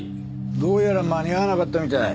どうやら間に合わなかったみたい。